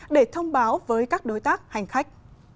để thông báo với các đối tác hành khách